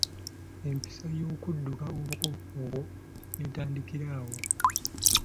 Empisa y'okudduka obuko obwo n'etandikira awo.